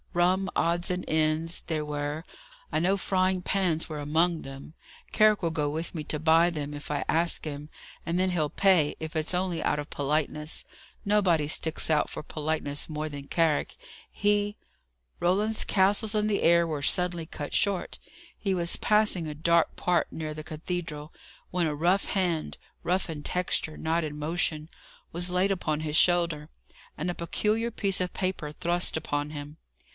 Rum odds and ends they were: I know frying pans were amongst them, Carrick will go with me to buy them, if I ask him; and then he'll pay, if it's only out of politeness. Nobody sticks out for politeness more than Carrick. He " Roland's castles in the air were suddenly cut short. He was passing a dark part near the cathedral, when a rough hand rough in texture, not in motion was laid upon his shoulder, and a peculiar piece of paper thrust upon him.